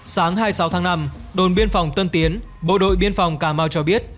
sáng hai mươi sáu tháng năm đồn biên phòng tân tiến bộ đội biên phòng cà mau cho biết